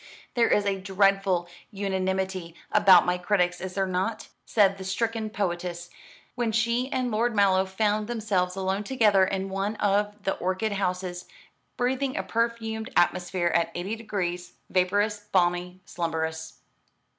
"There is a dreadful unanimity about my critics, is there not?" said the stricken poetess, when she and Lord Mallow found themselves alone together in one of the orchid houses, breathing a perfumed atmosphere at eighty degrees, vaporous, balmy, slumberous.